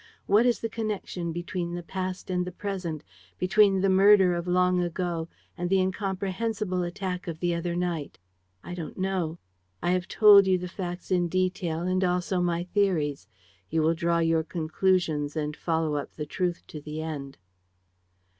What is the connection between the past and the present, between the murder of long ago and the incomprehensible attack of the other night? I don't know. I have told you the facts in detail and also my theories. You will draw your conclusions and follow up the truth to the end.